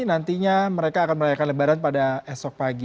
nantinya mereka akan merayakan lebaran pada esok pagi